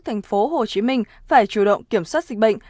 thành phố hồ chí minh phải chủ động kiểm soát dịch bệnh